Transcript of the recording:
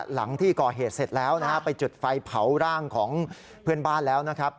หลังที่ก่อเหตุเสร็จแล้วนะฮะไปจุดไฟเผาร่างของเพื่อนบ้านแล้วนะครับ